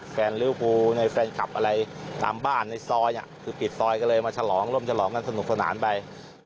ริวภูในแฟนคลับอะไรตามบ้านในซอยคือปิดซอยก็เลยมาฉลองร่วมฉลองกันสนุกสนานไป